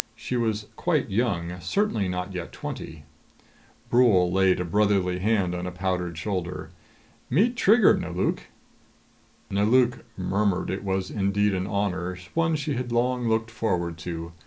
She was quite young, certainly not yet twenty. Brule laid a brotherly hand on a powdered shoulder. "Meet Trigger, Nelauk!" Nelauk murmured it was indeed an honor, one she had long looked forward to.